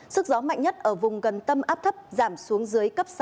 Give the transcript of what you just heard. sức gió mạnh nhất ở vùng gần tâm áp thấp giảm xuống dưới cấp sáu